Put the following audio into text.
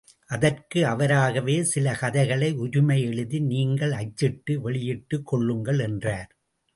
அதற்கு அவராகவே சில கதைகளை உரிமை எழுதி நீங்கள் அச்சிட்டு வெளியிட்டுக் கொள்ளுங்கள் என்றார்.